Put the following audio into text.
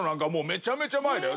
めちゃめちゃ前だよ。